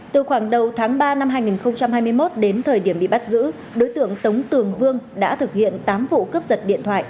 từ khoảng đầu tháng ba năm hai nghìn hai mươi một đến thời điểm bị bắt giữ đối tượng tống tường vương đã thực hiện tám vụ cướp giật điện thoại